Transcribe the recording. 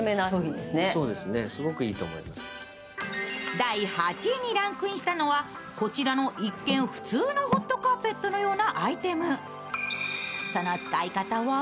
第８位にランクインしたのは、こちらの一見普通のホットカーペットのようなアイテム。